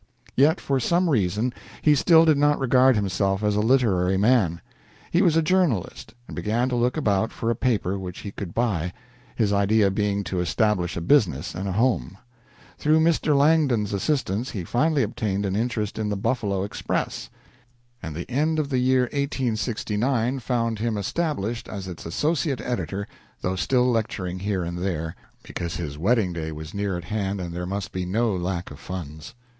Yet for some reason he still did not regard himself as a literary man. He was a journalist, and began to look about for a paper which he could buy his idea being to establish a business and a home. Through Mr. Langdon's assistance, he finally obtained an interest in the "Buffalo Express," and the end of the year 1869 found him established as its associate editor, though still lecturing here and there, because his wedding day was near at hand and there must be no lack of funds.